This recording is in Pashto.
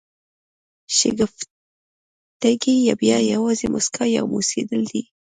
شګفتګي بیا یوازې مسکا یا موسېدل دي.